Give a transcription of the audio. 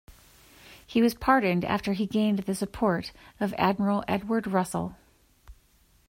He was pardoned after he gained the support of Admiral Edward Russell.